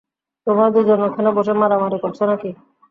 তোমরা দুজন ওখানে বসে মারামারি করছো নাকি?